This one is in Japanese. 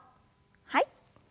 はい。